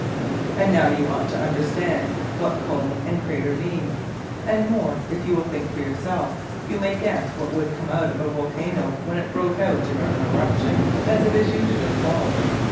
And now you ought to understand what "cone" and "crater" mean. And more, if you will think for yourself, you may guess what would come out of a volcano when it broke out "in an eruption," as it is usually called.